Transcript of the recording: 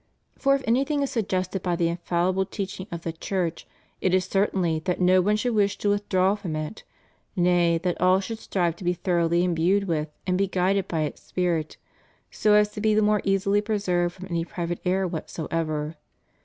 For if anything is suggested by the infalHble teaching of the Church, it is certainly that no one should wish to withdraw from it; nay, that all should strive to be thoroughly imbued with and be guided by its spirit, so as to be the more easily preserved from any private error whatsoever.